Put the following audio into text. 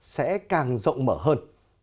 sẽ càng rộng mở hơn